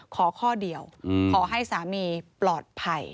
ขอข้อเดียวขอให้สามีปลอดภัย